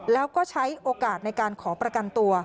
แล้วก็ใช้โอกาสในการขอประกันตัว